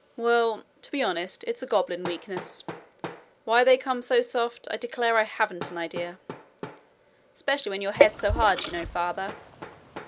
'Well, to be honest, it's a goblin weakness. Why they come so soft, I declare I haven't an idea.' 'Specially when your head's so hard, you know, father.'